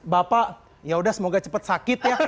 bapak yaudah semoga cepat sakit ya